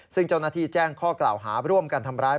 ซึ่งเจ้าหน้าที่แจ้งข้อกล่าวหาร่วมกันทำร้าย